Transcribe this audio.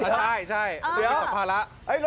ใช่สัมภาระ